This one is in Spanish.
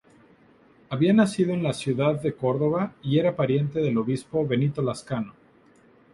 Había nacido en la ciudad de Córdoba, y era pariente del obispo Benito Lascano.